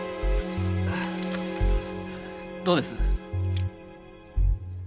どうです？